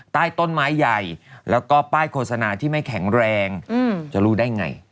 ใต้ต้นไม้ใหญ่แล้วก็ป้ายโฆษณาที่ไม่แข็งแรงจะรู้ได้ไง